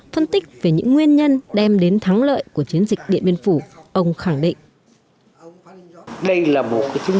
phân tích về những nguyên nhân đem đến thắng lợi của chiến dịch điện biên phủ ông khẳng định